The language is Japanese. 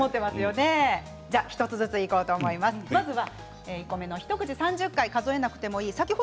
まずは一口３０回数えなくてもいい。